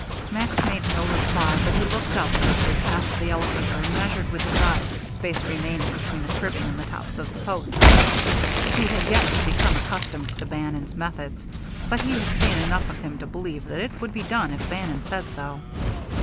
Max made no reply, but he looked up as they passed the elevator and measured with his eyes the space remaining between the cribbing and the tops of the posts. He had yet to become accustomed to Bannon's methods; but he had seen enough of him to believe that it would be done if Bannon said so.